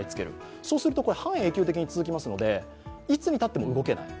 そうすると半永久的に続きますのでいつまでたっても動けない。